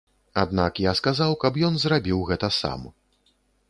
Аднак я сказаў, каб ён зрабіў гэта сам.